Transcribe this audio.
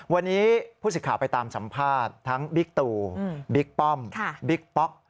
วันนี้ผู้สิทธิ์ไปตามสัมภาษณ์ทั้งบิ๊กตูบิ๊กป้อมบิ๊กป๊อก